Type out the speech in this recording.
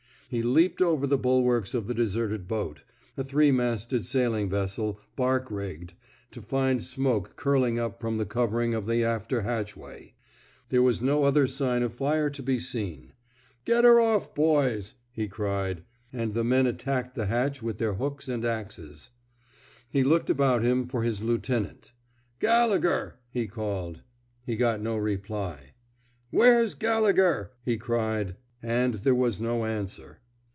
He leaped over the bulwarks of the de serted boat — a three masted sailing vessel, bark rigged — to find smoke curling up from the covering of the after hatchway. There 33 ( THE SMOKE EATERS was no other sign of fire to be seen. Get her off, boys,*' he cried; and the men at tacked the hatch with their hooks and axes. He looked about him for his lieutenant. Gallegher! '^ he called. He got no reply. Where's Gallegher? he cried. And there was no answer.